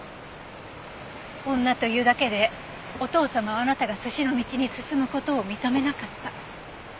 女というだけでお父様はあなたが寿司の道に進む事を認めなかった。